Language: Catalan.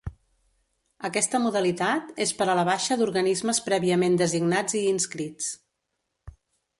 Aquesta modalitat és per a la baixa d'organismes prèviament designats i inscrits.